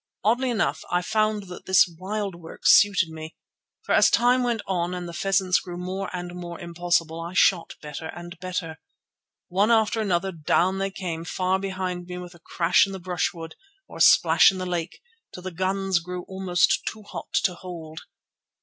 Oddly enough, I found that this wild work suited me, for as time went on and the pheasants grew more and more impossible, I shot better and better. One after another down they came far behind me with a crash in the brushwood or a splash in the lake, till the guns grew almost too hot to hold.